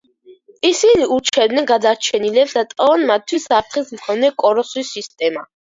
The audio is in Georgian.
ისინი ურჩევენ გადარჩენილებს, დატოვონ მათთვის საფრთხის მქონე კოროსის სისტემა.